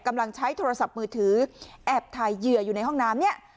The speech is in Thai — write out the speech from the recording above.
กำลังใช้โทรศัพท์มือถือแอบถ่ายเหยื่ออยู่ในห้องน้ำเนี่ย